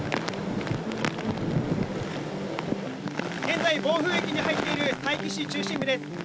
現在、暴風域に入っている佐伯市中心部です。